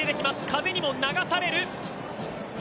風にも流される。